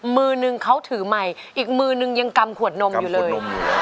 มือนึงเขาถือไมค์อีกมือนึงยังกำขวดนมอยู่เลย